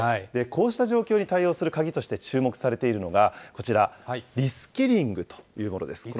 こうした状況に対応する鍵として注目されているのが、こちら、リスキリングというものです。